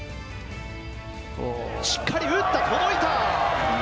しっかり打った、届いた！